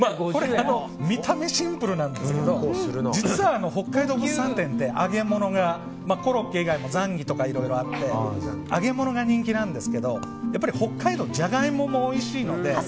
見た目はシンプルなんですけど実は北海道物産展って揚げ物がコロッケ以外もザンギとかいろいろあって揚げ物が人気なんですけど北海道はジャガイモもおいしいので。